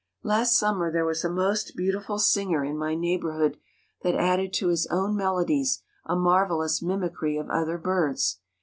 Last summer there was a most beautiful singer in my neighborhood that added to his own melodies a marvelous mimicry of other birds.